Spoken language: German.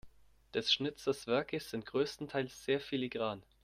Des Schnitzers Werke sind größtenteils sehr filigran.